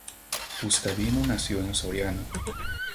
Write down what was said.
Guastavino nació en Soriano.